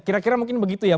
kira kira mungkin begitu ya